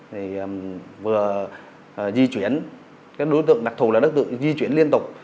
thì vừa di chuyển các đối tượng đặc thù là đối tượng di chuyển liên tục